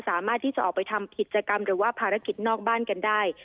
สามารถที่จะออกไปทำกิจกรรมหรือว่าภารกิจนอกบ้านกันได้